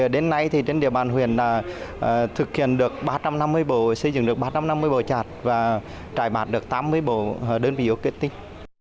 đến nay trên địa bàn huyện thực hiện được ba trăm năm mươi bộ xây dựng được ba trăm năm mươi bộ chặt và trải bạc được tám mươi bộ đơn vị ô kết tinh